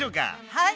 はい！